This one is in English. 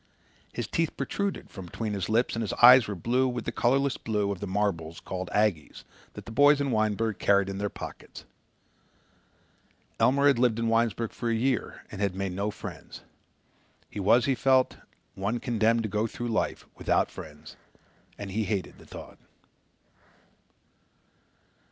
His teeth protruded from between his lips and his eyes were blue with the colorless blueness of the marbles called "aggies" that the boys of Winesburg carried in their pockets. Elmer had lived in Winesburg for a year and had made no friends. He was, he felt, one condemned to go through life without friends and he hated the thought.